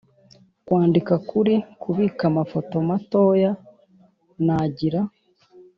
kwandika kuri, kubika amafoto mato ya. nagira